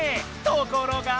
ところが！